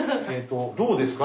どうですか？